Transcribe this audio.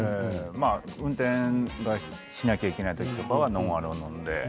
運転しないといけない時はノンアルを飲んで。